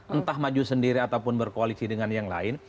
entah maju sendiri ataupun berkoalisi dengan yang lain